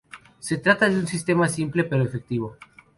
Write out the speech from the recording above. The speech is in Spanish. Se trata de un sistema simple pero efectivo.